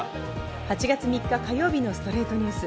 ８月３日、火曜日の『ストレイトニュース』。